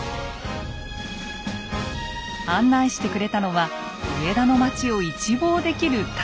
案内してくれたのは上田の町を一望できる高台。